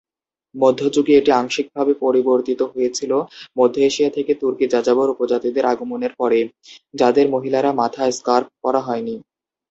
মধ্যযুগে এটি আংশিকভাবে পরিবর্তিত হয়েছিল মধ্য এশিয়া থেকে তুর্কি যাযাবর উপজাতিদের আগমনের পরে, যাদের মহিলারা মাথা স্কার্ফ পরা হয়নি।